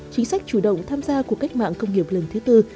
chính sách chủ động tham gia cuộc cách mạng công nghiệp lần thứ tư